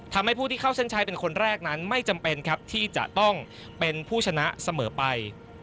ทำให้ผู้ที่เข้าเส้นชัยเป็นคนแรกนั้นไม่จำเป็นครับที่จะต้องเป็นผู้ชนะเสมอไป